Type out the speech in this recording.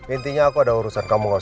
intinya aku ada urusan kamu gak usah